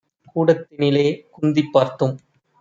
கூடத் தினிலே குந்திப் பார்த்தும்